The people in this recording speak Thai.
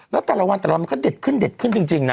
แล้วแต่ละวันแต่ละวันมันก็เด็ดขึ้นเด็ดขึ้นจริงนะ